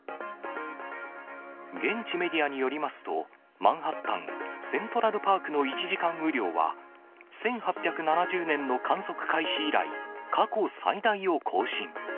現地メディアによりますと、マンハッタン・セントラルパークの１時間雨量は、１８７０年の観測開始以来、過去最大を更新。